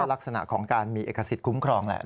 ลักษณะของการมีเอกสิทธิคุ้มครองแหละ